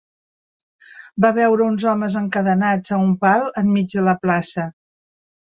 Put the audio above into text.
Va veure uns homes encadenats a un pal enmig de la plaça.